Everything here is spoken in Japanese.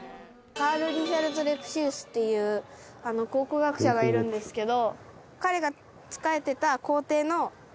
カール・リヒャルト・レプシウスっていう考古学者がいるんですけど。